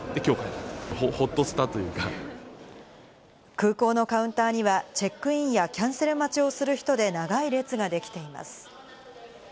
空港のカウンターには、チェックインやキャンセル待ちをする人で長い列ができています。